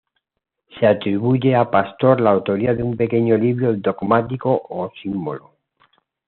Se atribuye a Pastor la autoría de un pequeño libro dogmático o símbolo.